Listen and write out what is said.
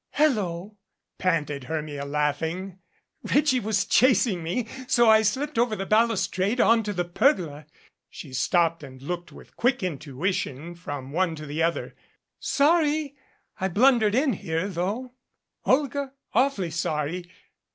"Hello!" panted Hermia, laughing. "Reggie was chasing me, so I slipped over the balustrade onto the pergola " She stopped and looked with quick intui tion from one to the other. "Sorry I blunder'd in here, though, Olga awfully sorry.